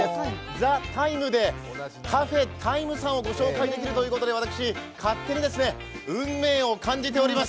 「ＴＨＥＴＩＭＥ，」でカフェ待夢さんをご紹介できるということで私、勝手に運命を感じております。